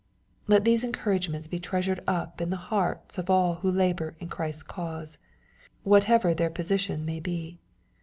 Let these encouragements be treasured up in the hearts of all who labor in Christ's cause, whatever their position may be.